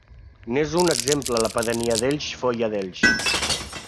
N'és un exemple la pedania d'Elx Foia d'Elx.